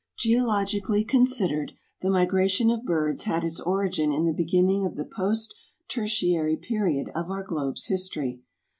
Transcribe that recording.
Geologically considered, the migration of birds had its origin in the beginning of the Post Tertiary period of our globe's history.